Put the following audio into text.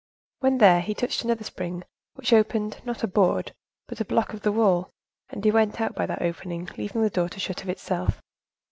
When there, he touched another spring, which opened, not a board, but a block of the wall, and he went out by that opening, leaving the door to shut of itself.